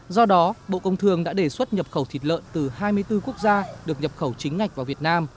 do đó bộ công thương đã đề xuất nhập khẩu thịt lợn từ hai mươi bốn quốc gia được nhập khẩu chính ngạch vào việt nam